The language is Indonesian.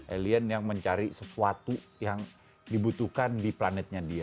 alien yang mencari sesuatu yang dibutuhkan di planetnya dia